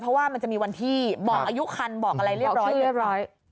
เพราะว่ามันจะมีวันที่บอกอายุคันบอกอะไรเรียบร้อยเรียบร้อย